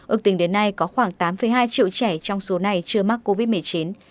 ước tính đến nay có khoảng tám hai triệu trẻ trong số này chưa mắc covid một mươi chín